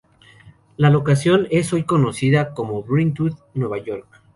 La locación es hoy conocida como Brentwood, Nueva York.